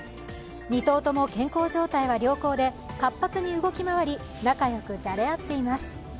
２頭とも健康状態は良好で活発に動き回り仲良くじゃれ合っています。